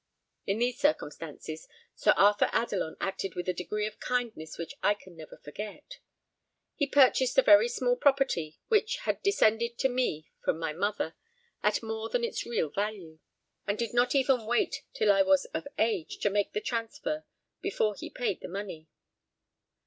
In these circumstances, Sir Arthur Adelon acted with a degree of kindness which I can never forget. He purchased a very small property which had descended to me from my mother, at more than its real value, and did not even wait till I was of age to make the transfer before he paid the money.